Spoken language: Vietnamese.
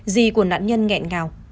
dì của nạn nhân nghẹn ngào